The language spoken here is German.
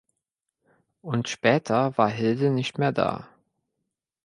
Und später war Hilde nicht mehr da.